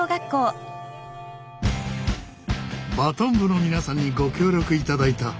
バトン部の皆さんにご協力いただいた。